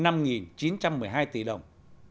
tài sản là năm chín trăm một mươi hai tỷ đồng